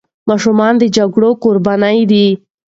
ماشومان د جګړې قربانيان دي.